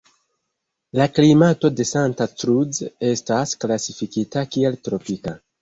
La klimato de Santa Cruz estas klasifikita kiel tropika.